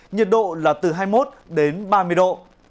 nhiệt độ là từ hai mươi một đến ba mươi độ